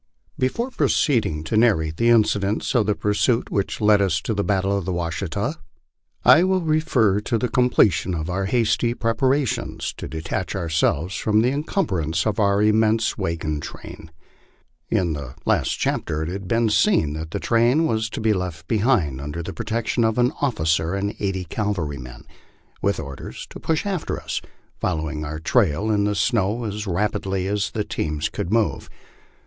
XV. BEFORE proceeding to narrate the incidents of the pursuit which led us tc the battle of the Washita, I will refer to the completion of our hasty preparations to detach ourselves from the encumbrance of our immense wagon train. In the last chapter it has been seen that the train was to be left be hind under the protection of an officer and eighty cavalrymen, with orders to pusli after us, following our trail in the snow as rapidly as the teams could move.